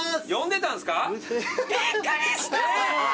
びっくりした！